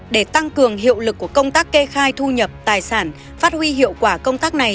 để tăng cường hiệu lực của công tác kê khai thu nhập tài sản phát huy hiệu quả công tác này